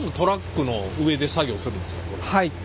はい。